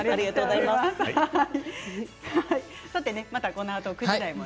このあと９時台も。